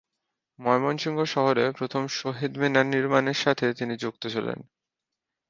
ময়মনসিংহ শহরে প্রথম শহীদ মিনার নির্মাণের সাথে তিনি যুক্ত ছিলেন।